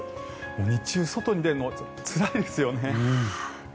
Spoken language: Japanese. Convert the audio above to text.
日中、外に出るのつらいですよね。